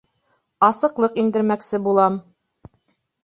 Асыҡлыҡ индермәксе булам.